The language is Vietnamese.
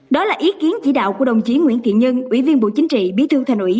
đó là ý kiến chỉ đạo của đồng chí nguyễn thiện nhân ủy viên bộ chính trị bí thư thành ủy